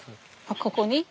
あっここに？